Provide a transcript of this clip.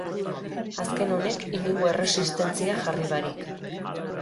Azken honek inongo erresistentzia jarri barik.